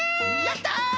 やった！